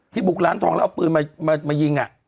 บุกร้านทองแล้วเอาปืนมายิง